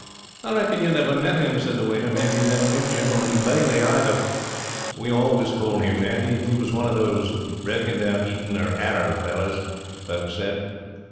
'I reckon you never met him,' said the waiter. 'Maybe you never knew Gentleman Bailey, either? We always called him that. He was one of these broken down Eton or 'Arrer fellers, folks said.